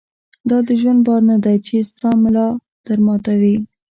دا دژوند بار نۀ دی چې ستا ملا در ماتوي